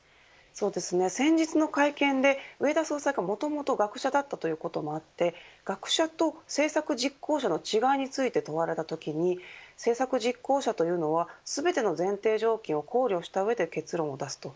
先日の会見で、植田総裁がもともと学者だったということもあり学者と政策実行者の違いについて問われたときに政策実行者というのは全ての前提条件を考慮した上で結論を出す。